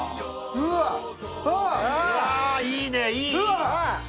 うわっいいねいいいい！